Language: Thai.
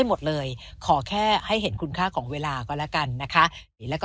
หมดเลยขอแค่ให้เห็นคุณค่าของเวลาก็แล้วกันนะคะแล้วก็